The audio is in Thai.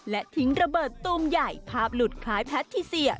และทิ้งระเบิดตูมใหญ่ภาพหลุดคล้ายแพทิเซีย